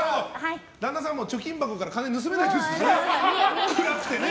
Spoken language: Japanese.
旦那さん、貯金箱から金盗めないですしね。